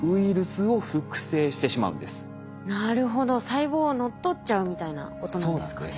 細胞を乗っ取っちゃうみたいなことなんですかね。